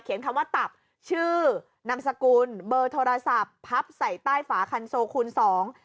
คำว่าตับชื่อนามสกุลเบอร์โทรศัพท์พับใส่ใต้ฝาคันโซคูณสอง